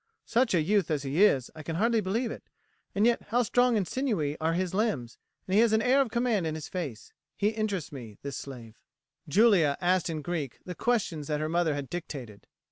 Such a youth as he is, I can hardly believe it; and yet how strong and sinewy are his limbs, and he has an air of command in his face. He interests me, this slave." Julia asked in Greek the questions that her mother had dictated.